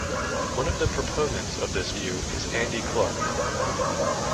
One of the proponents of this view is Andy Clark.